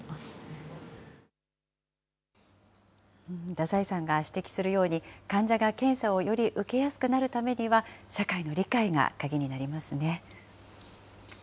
太宰さんが指摘するように、患者が検査をより受けやすくなるためには、社会の理解が鍵になりますね。